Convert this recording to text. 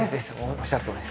おっしゃるとおりです。